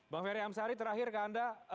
bang ferry amsari terakhir ke anda